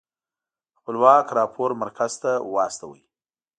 خپلواک راپور مرکز ته واستوه.